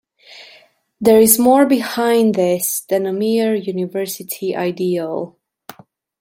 There is more behind this than a mere university ideal.